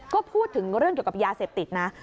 ก็พูดถึงเรื่องเกี่ยวกับยาเสพติดนะ